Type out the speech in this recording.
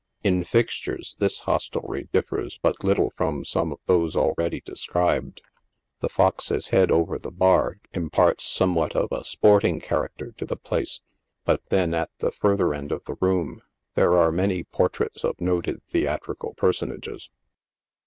Jn fixtures, this hostelrie differs but little from some of those already described. The fox's head over the oar imparts somewhat of a sporting charac ter to the place, but then, at the farther end of the room, there are many portraits of noted theatrical personages.